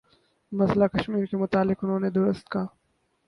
مسئلہ کشمیر کے متعلق انہوں نے درست کہا